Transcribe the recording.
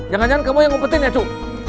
jangan jangan kamu yang ngumpetin ya cuk